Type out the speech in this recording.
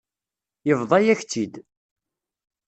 Yebḍa-yak-tt-id.